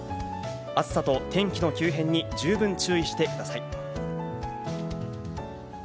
暑さと天気の急変に十分注意してください。